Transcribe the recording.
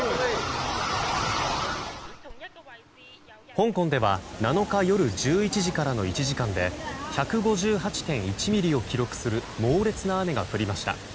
香港では７日夜１１時からの１時間で１５８．１ミリを記録する猛烈な雨が降りました。